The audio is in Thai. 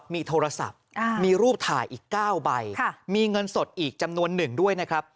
มีโทรศัพท์มีรูปถ่ายอีก๙ใบมีเงินสดอีกจำนวนหนึ่งด้วยนะครับ